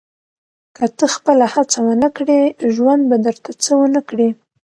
• که ته خپله هڅه ونه کړې، ژوند به درته څه ونه کړي.